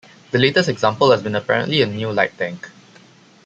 The latest example has been apparently a new light tank.